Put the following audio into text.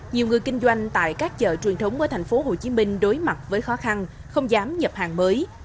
nhiều người kinh doanh tại các chợ truyền thống ở tp hcm đối mặt với khó khăn không dám nhập hàng mới